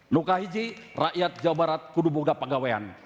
nukahiji rakyat jawa barat kudu muda penggawaian